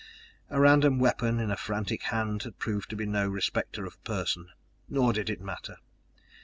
A random weapon in a frantic hand had proved to be no respecter of person. Nor did it matter!